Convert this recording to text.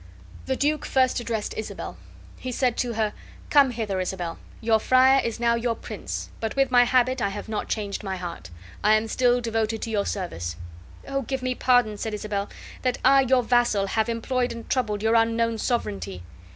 The duke first addressed Isabel. He said to her: "Come hither, Isabel. Your friar is now your prince, but with my habit I have not changed my heart. I am still devoted to your service." "Oh, give me pardon," said Isabel, "that I, your vassal, have employed and troubled your unknown sovereignty."